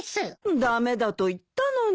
駄目だと言ったのに。